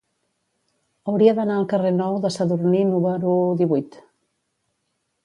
Hauria d'anar al carrer Nou de Sadurní número divuit.